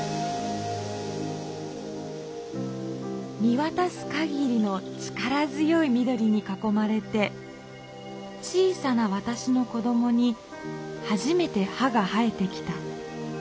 見わたすかぎりの力強いみどりにかこまれて小さなわたしの子どもにはじめて歯が生えてきた。